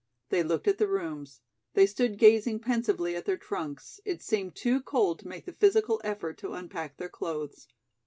They looked at the rooms; they stood gazing pensively at their trunks; it seemed too cold to make the physical effort to unpack their clothes.